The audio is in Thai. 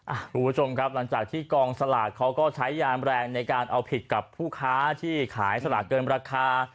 คุณผู้ชมครับหลังจากที่กองสลากเขาก็ใช้ยามแรงในการเอาผิดกับผู้ค้าที่ขายสลากเกินราคา